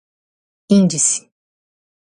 índice